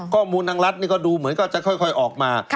ข้อมูลทางรัฐนี่ก็ดูเหมือนก็จะค่อยออกมา